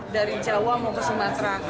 dari jawa mau ke sumatera